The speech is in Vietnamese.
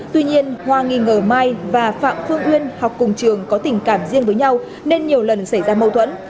tuy nhiên hoa nghi ngờ mai và phạm phương uyên học cùng trường có tình cảm riêng với nhau nên nhiều lần xảy ra mâu thuẫn